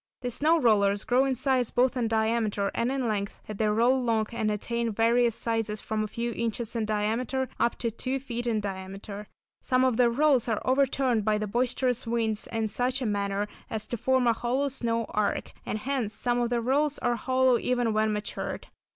These snow rollers grow in size both in diameter and in length, as they roll along, and attain various sizes from a few inches in diameter up to two feet in diameter. Some of the rolls are overturned by the boisterous winds in such a manner as to form a hollow snow arch, and hence some of the rolls are hollow even when matured.